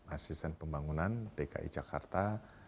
asisten pembangunan dki jakarta